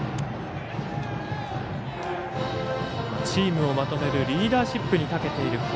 チームをまとめるリーダーシップにたけている。